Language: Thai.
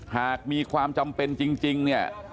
หากมีความจำเป็นจริงเนี่ย